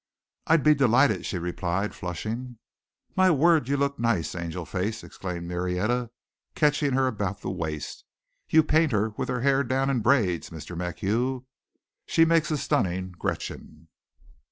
"I'd be delighted," she replied, flushing. "My word, you look nice, Angel Face," exclaimed Marietta, catching her about the waist. "You paint her with her hair down in braids, Mr. MacHugh. She makes a stunning Gretchen."